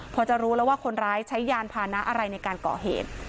พอจะรู้แล้วว่าคนร้ายใช้ยานพานะอะไรในการก่อเหตุ